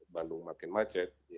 bandung makin macet